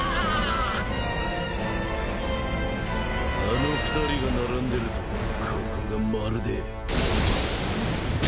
あの２人が並んでるとここがまるで。